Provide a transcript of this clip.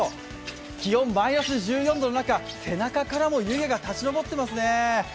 気温マイナス１４度の中、背中からも湯気が立ち上っていますね。